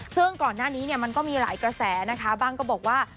ซึ่งก่อนหน้านี้มันก็มีหลายกระแสนะคะบ้างก็บอกว่า